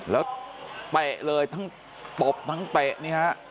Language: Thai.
แล้วเตะเลยทั้งตบทั้งเตะนี่ฮะ